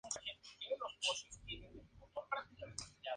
El centro del gobierno del cantón es la ciudad de Sarajevo, capital del país.